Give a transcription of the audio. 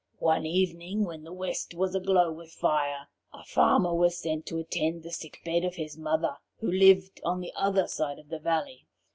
One evening, when the west was aglow with fire, a farmer was sent for to attend the sick bed of his mother, who lived on the other side of the valley.